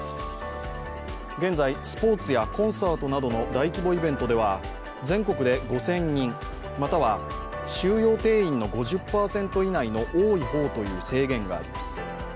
現在、スポーツやコンサートなどの大規模イベントでは全国で５０００人、または収容定員の５０％以内の多い方という制限があります。